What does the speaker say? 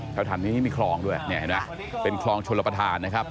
ชาวธรรมนี้มีคลองด้วยเป็นคลองชลปฐานนะครับ